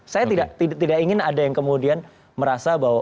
saya tidak ingin ada yang kemudian merasa bahwa